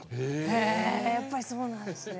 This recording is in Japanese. へえやっぱりそうなんですね。